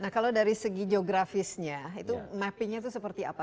kalau dari segi geografisnya mappingnya seperti apa